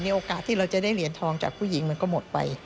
โอกาสที่เราจะได้เหรียญทองจากผู้หญิงมันก็หมดไป